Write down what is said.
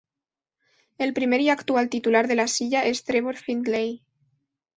El primer y actual titular de la silla es Trevor Findlay.